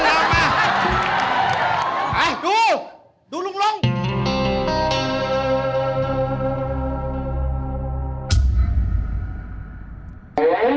โอ้โหดูลง